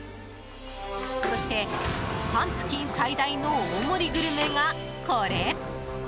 そして、パンプキン最大の大盛りグルメがこれ。